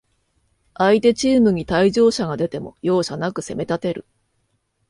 相手チームに退場者が出ても、容赦なく攻めたてる